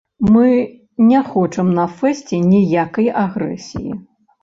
Мы не хочам на фэсце ніякай агрэсіі.